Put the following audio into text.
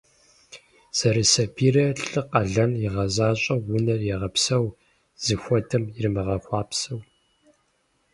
Зэрысабийрэ лӏы къалэн игъэзащӏэу унэр егъэпсэу, зыхуэдэм иримыгъэхъуапсэу.